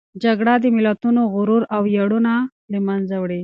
جګړه د ملتونو غرور او ویاړونه له منځه وړي.